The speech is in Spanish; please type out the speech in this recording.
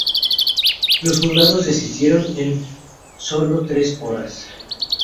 Los jurados decidieron en sólo tres horas.